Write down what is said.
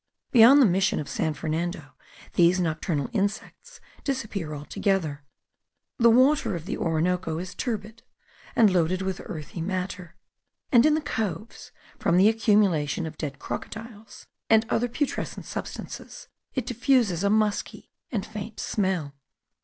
Beyond the mission of San Fernando these nocturnal insects disappear altogether. The water of the Orinoco is turbid, and loaded with earthy matter; and in the coves, from the accumulation of dead crocodiles and other putrescent substances, it diffuses a musky and faint smell.